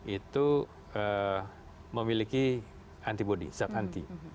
itu memiliki antibody zat anti